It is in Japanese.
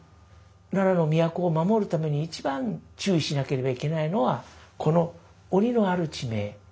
奈良の都を守るために一番注意しなければいけないのはこの「鬼」のある地名。